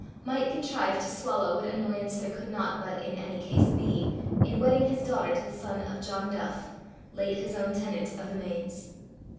might contrive to swallow what annoyance there could not but in any case be in wedding his daughter to the son of John Duff, late his own tenant of the Mains.